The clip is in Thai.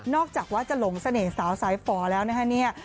จากว่าจะหลงเสน่ห์สาวสายฝ่อแล้วนะคะเนี่ย